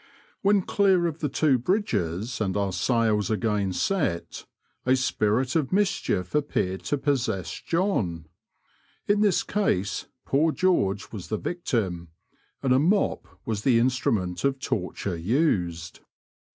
When clear of the two bridges, and our sails again set, a spirit of mischief appeared to possess John. In this case poor George was the victim, and a mop was the instrument of torture used.